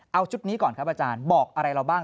เอาชุดนี้ก่อนครับอาจารย์บอกอะไรเราบ้าง